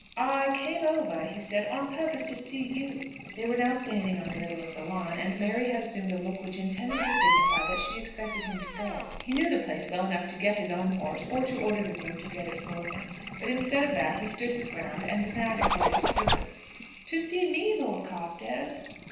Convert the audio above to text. "I came over," he said, "on purpose to see you." They were now standing on the middle of the lawn, and Mary had assumed a look which intended to signify that she expected him to go. He knew the place well enough to get his own horse, or to order the groom to get it for him. But instead of that, he stood his ground, and now declared his purpose. "To see me, Lord Carstairs!"